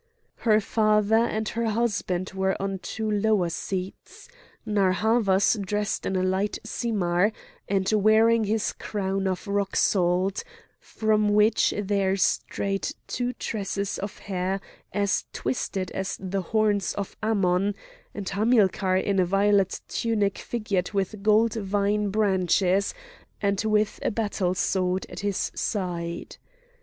Her father and her husband were on two lower seats, Narr' Havas dressed in a light simar and wearing his crown of rock salt, from which there strayed two tresses of hair as twisted as the horns of Ammon; and Hamilcar in a violet tunic figured with gold vine branches, and with a battle sword at his side.